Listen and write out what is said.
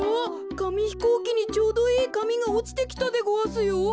かみひこうきにちょうどいいかみがおちてきたでごわすよ。